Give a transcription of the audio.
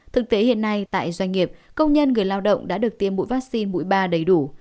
thực tế hiện nay tại doanh nghiệp công nhân người lao động đã được tiêm mũi vaccine mũi ba đầy đủ